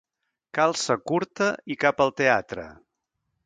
Calça curta i cap al teatre.